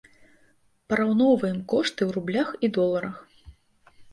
Параўноўваем кошты ў рублях і доларах.